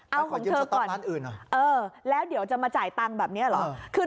เอาของเธอก่อนเอาของเธอก่อนแล้วเดี๋ยวจะมาจ่ายตังค์แบบนี้เหรอ